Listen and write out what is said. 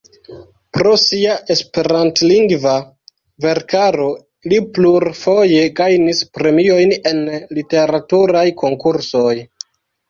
Pro sia esperantlingva verkaro li plurfoje gajnis premiojn en literaturaj konkursoj.